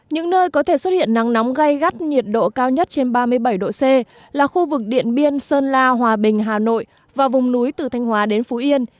những nơi có thể xuất hiện nắng nóng gây gắt nhiệt độ cao nhất trên ba mươi bảy độ c là khu vực điện biên sơn la hòa bình hà nội và vùng núi từ thanh hóa đến phú yên